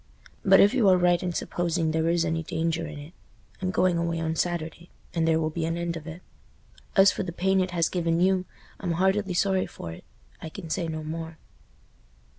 But if you are right in supposing there is any danger in it—I'm going away on Saturday, and there will be an end of it. As for the pain it has given you, I'm heartily sorry for it. I can say no more."